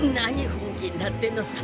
本気になってんのさ。